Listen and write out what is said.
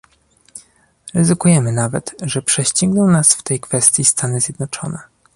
Ryzykujemy nawet, że prześcigną nas w tej kwestii Stany Zjednoczone